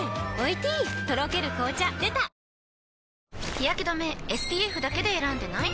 日やけ止めＳＰＦだけで選んでない？